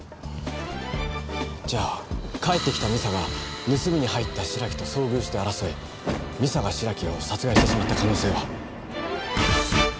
じゃあ帰ってきた美佐が盗みに入った白木と遭遇して争い美佐が白木を殺害してしまった可能性は。